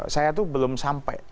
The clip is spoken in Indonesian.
saya tuh belum sampai